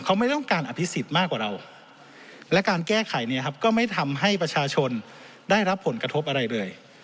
เขาไม่ต้องการอภิษฎมากกว่าเราและการแก้ไขเนี่ยครับก็ไม่ทำให้ประชาชนได้รับผลกระทบอะไรเลย